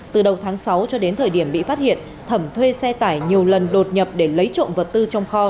từ đầu tháng sáu cho đến thời điểm bị phát hiện thẩm thuê xe tải nhiều lần đột nhập để lấy trộm vật tư trong kho